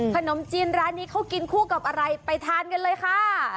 ขนมจีนร้านนี้เขากินคู่กับอะไรไปทานกันเลยค่ะ